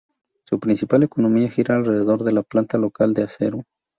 Su principal economía gira alrededor de la planta local de acero.